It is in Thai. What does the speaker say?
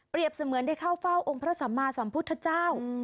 เสมือนได้เข้าเฝ้าองค์พระสัมมาสัมพุทธเจ้า